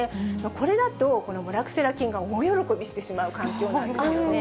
これだと、このモラクセラ菌が大喜びしてしまう環境なんですね。